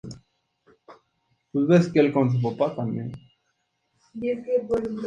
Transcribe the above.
Hijo de Lorenzo Claro Cruz y Lucinda Lastarria Villarreal.